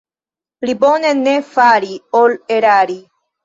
Pli bone ne fari, ol erari.